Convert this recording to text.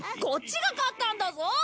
こっちが勝ったんだぞ！